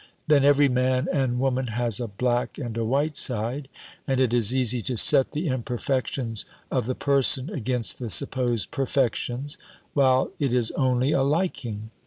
Then every man and woman has a black and a white side; and it is easy to set the imperfections of the person against the supposed perfections, while it is only a liking.